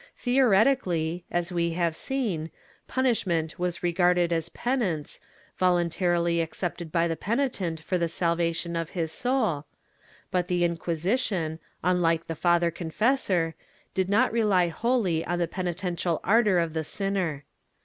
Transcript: Theoretically, as we have seen, punishment was regarded as penance, voluntarily accepted by the penitent for the salvation of his soul, but the Inquisition, unlike the father confessor, did not rely wholly on the penitential ardor of the sinner.